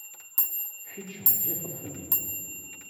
Kecc ɣezzifeḍ fell-i.